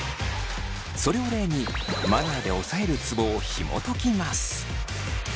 それを例にマナーで押さえるツボを紐解きます。